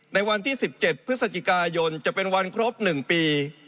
ในวันที่๑๗พฤศจิกายนจะเป็นวันครบ๑ปี